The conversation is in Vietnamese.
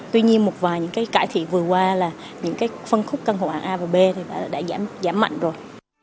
tuy nhiên một vài những cải thiện vừa qua là những phân khúc căn hộ hạng a và b đã giảm mạnh rồi